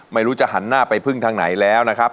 ไม่รู้จะหันหน้าไปพึ่งทางไหนแล้วนะครับ